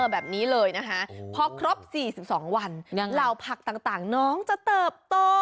แบบนี้เลยนะคะพอครบ๔๒วันเหล่าผักต่างน้องจะเติบโต